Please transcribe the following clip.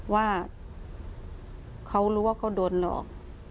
ว่าเขารู้ว่าเขาโดนหลอก